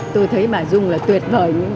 tôi thấy bà dung là tuyệt vời